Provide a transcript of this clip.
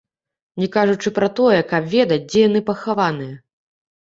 Не кажучы пра тое, каб ведаць, дзе яны пахаваныя.